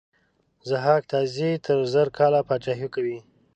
ضحاک تازي تر زر کاله پاچهي کوي.